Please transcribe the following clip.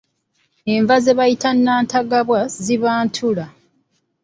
Enva ze bayita nantagabwa ziba ntula.